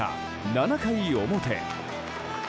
７回表。